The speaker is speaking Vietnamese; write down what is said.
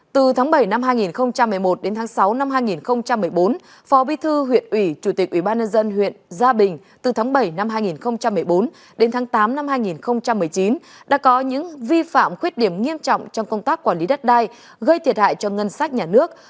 từ tháng bảy năm hai nghìn một mươi một đến tháng sáu năm hai nghìn một mươi bốn phó bí thư huyện ủy chủ tịch ubnd huyện gia bình từ tháng bảy năm hai nghìn một mươi bốn đến tháng tám năm hai nghìn một mươi chín đã có những vi phạm khuyết điểm nghiêm trọng trong công tác quản lý đất đai gây thiệt hại cho ngân sách nhà nước